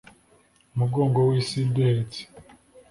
umugongo wisi iduhetse